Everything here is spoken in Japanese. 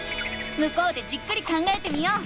向こうでじっくり考えてみよう。